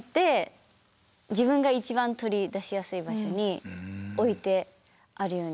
自分が一番取り出しやすい場所に置いてあるように。